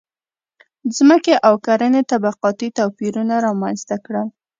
• ځمکې او کرنې طبقاتي توپیرونه رامنځته کړل.